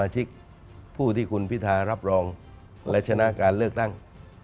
ชิกผู้ที่คุณพิทารับรองและชนะการเลือกตั้ง